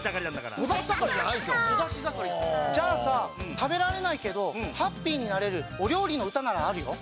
じゃあさたべられないけどハッピーになれるおりょうりのうたならあるよ。